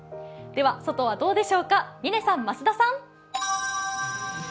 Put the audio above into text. では、外はどうでしょうか、嶺さん、増田さん。